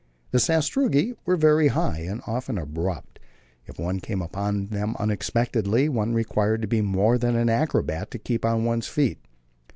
The sastrugi were very high, and often abrupt; if one came on them unexpectedly, one required to be more than an acrobat to keep on one's feet.